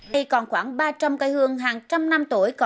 đây còn khoảng ba trăm linh cây hương hàng trăm năm tuổi